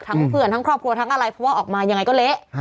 เพื่อนทั้งครอบครัวทั้งอะไรเพราะว่าออกมายังไงก็เละ